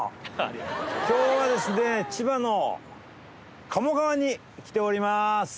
今日は千葉の鴨川に来ております。